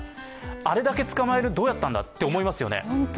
あれだけ捕まえる、どうやったんだ？って思いますよね。